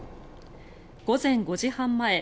午前５時半前